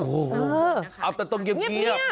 โอ้โหเอาแต่ต้องเงียบ